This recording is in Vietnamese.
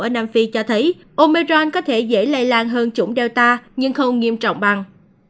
ở nam phi cho thấy omeron có thể dễ lây lan hơn chủng delta nhưng không nghiêm trọng bằng